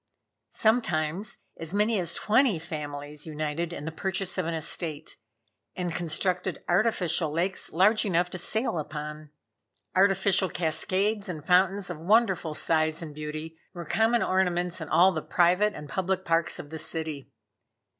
Sometimes as many as twenty families united in the purchase of an estate, and constructed artificial lakes large enough to sail upon. Artificial cascades and fountains of wonderful size and beauty were common ornaments in all the private and public parks of the city.